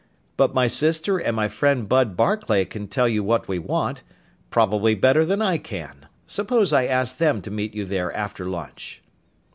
"But my sister and my friend Bud Barclay can tell you what we want probably better than I can. Suppose I ask them to meet you there after lunch?"